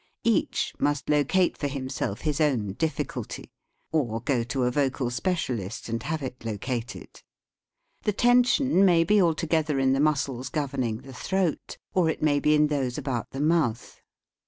Each must locate for himself his own difficulty, or go to a vocal specialist and have it located. The tension may be altogether in the muscles governing the throat, or it may be in those THE SPEAKING VOICE about the mouth.